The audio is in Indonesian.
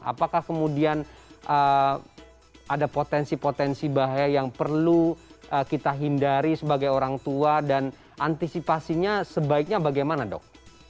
apakah kemudian ada potensi potensi bahaya yang perlu kita hindari sebagai orang tua dan antisipasinya sebaiknya bagaimana dok